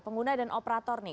pengguna dan operator nih